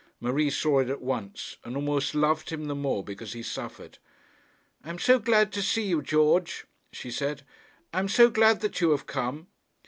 Marie saw it at once, and almost loved him the more because he suffered. 'I am so glad to see you, George,' she said. 'I am so glad that you have come.'